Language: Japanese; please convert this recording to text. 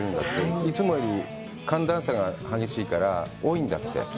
いつもより寒暖差が激しいから、多いんだって。